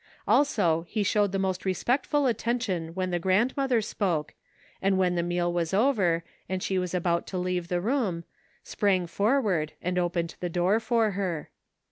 Also he showed the most re spectful attention when the grandmother spoke, and when the meal was over and she was about to leave the room, sprang forward and opened the door for her.